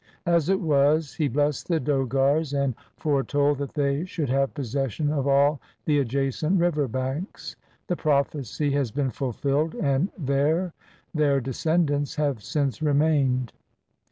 As it was, he blessed the Dogars and foretold that they should have possession of all the adjacent river banks. The prophecy has been fulfilled, and there their descendants have since remained.